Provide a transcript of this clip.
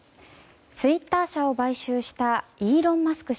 ツイッター社を買収したイーロン・マスク